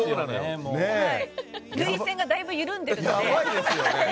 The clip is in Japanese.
涙腺がだいぶ緩んでるので。